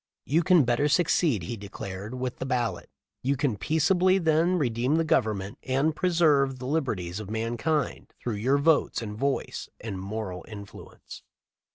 "You can better succeed," he declared, "with the ballot. You can peaceably then redeem the Gov ernment and preserve the liberties of mankind through your votes and voice and moral influence.